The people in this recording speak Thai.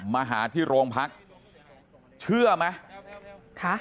มาหาที่โรงพักเชื่อไหมคะ